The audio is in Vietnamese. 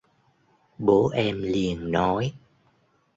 bố em liền nói